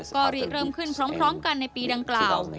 ก็เริ่มขึ้นพร้อมกันในปีดังกล่าว